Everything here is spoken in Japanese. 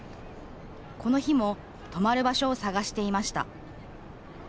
この日も泊まる場所を探していました。